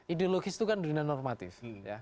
ideologis itu kan dunia normatif